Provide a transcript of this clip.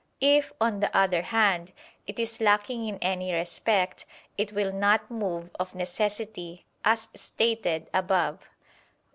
If, on the other hand, it is lacking in any respect, it will not move of necessity, as stated above.